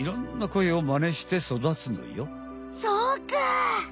そうか！